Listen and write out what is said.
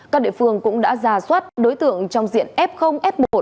các địa phương cũng đã ra soát đối tượng trong diện f f một